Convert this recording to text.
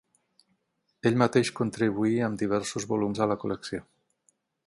Ell mateix contribuí amb diversos volums a la col·lecció.